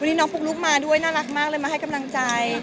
วันนี้น้องปุ๊กลุ๊กมาด้วยน่ารักมากเลยมาให้กำลังใจ